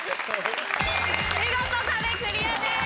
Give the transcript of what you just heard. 見事壁クリアです。